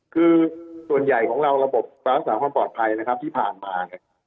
คือส่วนใหญ่ของเราระบบการรักษาความปลอดภัยนะครับที่ผ่านมาเนี่ย